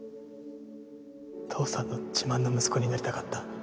父さんの自慢の息子になりたかった。